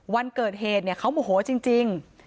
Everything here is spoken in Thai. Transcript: วันเกิดเหตุเขาโมโหจริง